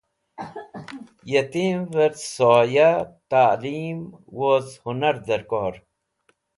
Yitimvẽ soya, talim, woz hunar dẽrkor.